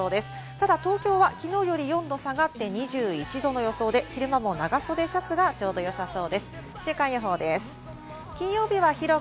ただ東京は昨日より４度下がって、２１度の予想で昼間も長袖シャツまだ始めてないの？